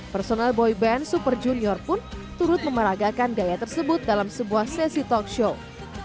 personal boyband super junior pun turut memeragakan gaya tersebut dalam sebuah sesi talk show